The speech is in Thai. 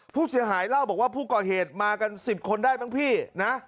ผู้เสียหายเล่าบอกว่าผู้ก่อเหตุมากัน๑๐คนได้มั้งพี่นะ